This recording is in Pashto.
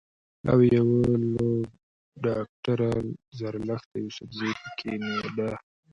او يوه لورډاکټره زرلښته يوسفزۍ پۀ کنېډا